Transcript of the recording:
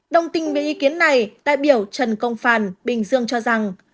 đồng tình với ý kiến này đại biểu trần công phàn bình dương cho rằng